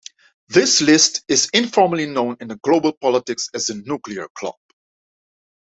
This list is informally known in global politics as the "Nuclear Club".